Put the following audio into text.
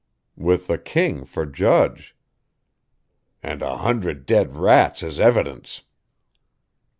"With the king for judge." "And a hundred dead rats as evidence."